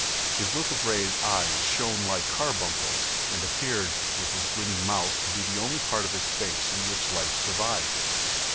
His little gray eyes shone like carbuncles, and appeared, with his grinning mouth, to be the only part of his face in which life survived.